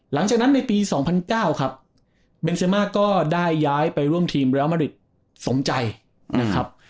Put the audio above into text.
หลังจากนั้นในปี๒๐๐๙ครับเบนเซมาก็ได้ย้ายไปร่วมทีมเรียลมาริดสมใจนะครับ